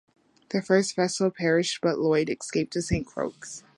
The first vessel perished, but Lloyd escaped to Saint Croix.